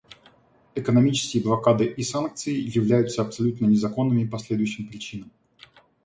Экономические блокады и санкции являются абсолютно незаконными по следующим причинам.